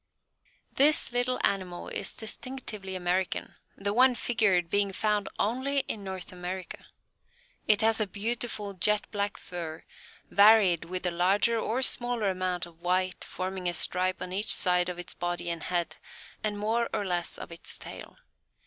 This little animal is distinctively American, the one figured being found only in North America. It has a beautiful jet black fur, varied with a larger or smaller amount of white forming a stripe on each side of its body and head, and more or less of its tail.